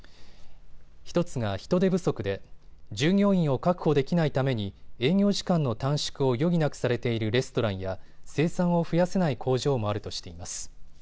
１つが人手不足で従業員を確保できないために営業時間の短縮を余儀なくされているレストランや生産を増やせない工場もあるとしています。